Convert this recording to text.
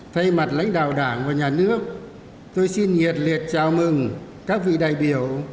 thay mặt lãnh đạo đảng và nhà nước tôi xin nhiệt liệt chào mừng các vị đại biểu